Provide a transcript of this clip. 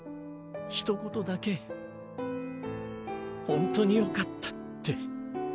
ひと言だけ「本当に良かった」って。